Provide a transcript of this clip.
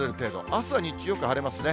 あすは日中、よく晴れますね。